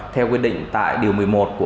theo quy định tại điều một mươi một